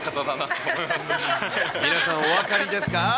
皆さん、お分かりですか？